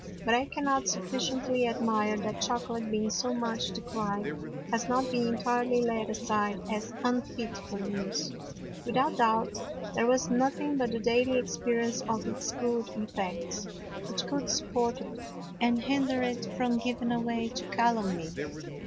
But I cannot sufficiently admire that Chocolate being so much decry'd, has not been entirely laid aside as unfit for Use; without doubt there was nothing but the daily Experience of its good Effects, which could support it, and hinder it from giving way to Calumny.